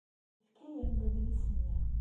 Yefka-am-d adlis-nni.